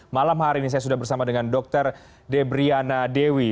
malam hari ini saya sudah bersama dengan dr debriana dewi